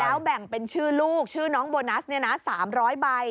แล้วแบ่งเป็นชื่อลูกชื่อน้องโบนัสเนี่ยนะ๓๐๐ใบ